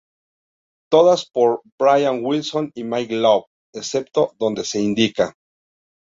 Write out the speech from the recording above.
Todas por Brian Wilson y Mike Love excepto donde se indica.